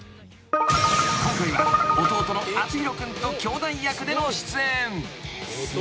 ［今回は弟の篤弘君と兄弟役での出演］